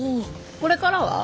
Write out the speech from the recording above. これからは？